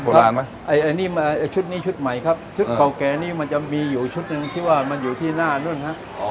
ชุดนี้ชุดใหม่ครับชุดเก่าแก่นี้มันจะมีอยู่ชุดหนึ่งที่ว่ามันอยู่ที่หน้านู้นฮะ